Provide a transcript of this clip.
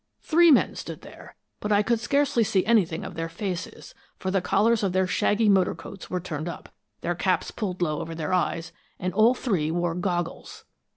Three men stood there, but I could see scarcely anything of their faces, for the collars of their shaggy motor coats were turned up, their caps pulled low over their eyes, and all three wore goggles.